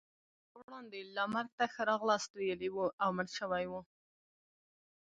هغه وړاندې لا مرګ ته ښه راغلاست ویلی وو او مړ شوی وو.